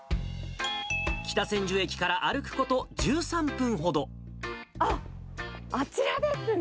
北千住駅から歩くこと１３分あっ、あちらですね。